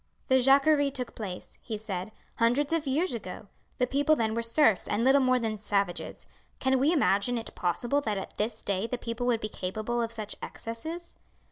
"The Jacquerie took place," he said, "hundreds of years ago. The people then were serfs and little more than savages. Can we imagine it possible that at this day the people would be capable of such excesses?"